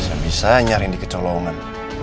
saya bisa nyari di kecolongan